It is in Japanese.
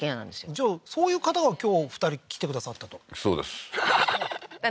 じゃあそういう方が今日２人来てくださったとそうですははははっ